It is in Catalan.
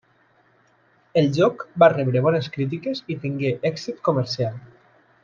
El joc va rebre bones crítiques i tingué èxit comercial.